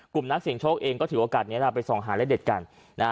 กลุ่มนักเสี่ยงโชคเองก็ถือโอกาสนี้เราไปส่องหาเล่นเด็ดกัน